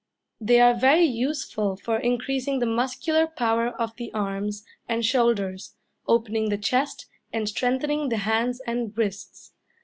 They are very useful for increasing the muscular power of the arms and shoulders, opening the chest, and strengthening the hands and wrists.